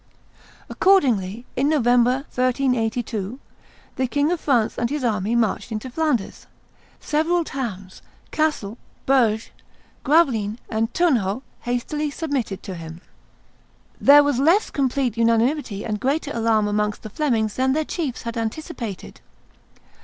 Accordingly, in November, 1382, the King of France and his army marched into Flanders. Several towns, Cassel, Bergues, Gravelines, and Turnhout, hastily submitted to him. There was less complete unanimity and greater alarm amongst the Flemings than their chiefs had anticipated.